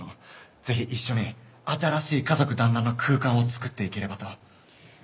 ぜひ一緒に新しい家族団らんの空間を作っていければと。